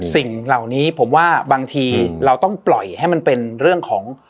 สิ่งเหล่านี้ผมว่าบางทีเราต้องปล่อยให้มันเป็นเรื่องของ